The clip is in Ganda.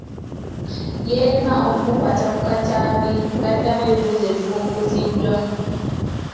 Yeerema okumukwata ku katambi ng’addamu ebibuuzo ebimubuuziddwa.